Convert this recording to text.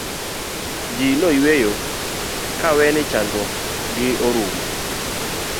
ji noyueyo kawe ni chandruok gi orumo